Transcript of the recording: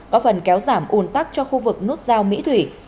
có phần kéo giảm un tắc cho khu vực nút giao mỹ thủy